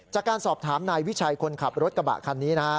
จากการสอบถามนายวิชัยคนขับรถกระบะคันนี้นะฮะ